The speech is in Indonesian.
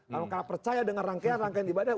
karena percaya dengan rangkaian rangkaian ibadah